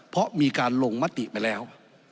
เพราะมีการลงมติไปแล้ว